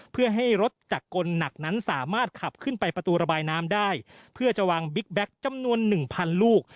เพื่อให้รถจากกลหนักนั้นสามารถขับขึ้นไปประตูระบายน้ำได้เพื่อจะวางบิ๊กแก๊กจำนวนหนึ่งพันลูก